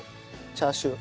チャーシュー。